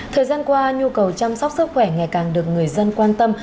thời gian qua nhu cầu chăm sóc sức khỏe ngày càng được người dân quan tâm